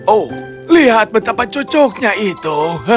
oh lihat betapa cocoknya itu